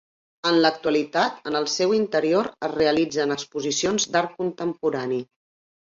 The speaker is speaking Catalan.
En l'actualitat en el seu interior es realitzen exposicions d'art contemporani.